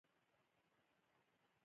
ډیرن لیهر د قوي بيټسمېن په توګه شهرت لري.